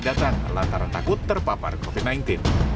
tetap datang lataran takut terpapar covid sembilan belas